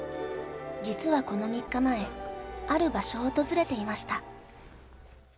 実は、この３日前ある場所を訪れていました。